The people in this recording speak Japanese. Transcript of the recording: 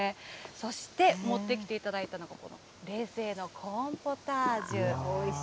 そして持ってきていただいたのが、この冷製のコーンポタージュ。